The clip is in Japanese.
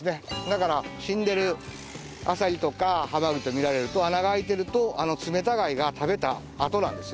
だから死んでるアサリとかハマグリを見られると穴が開いてるとツメタガイが食べた痕なんですよね。